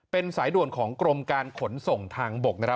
เป็นสายด่วนของกรมการขนส่งทางบกนะครับ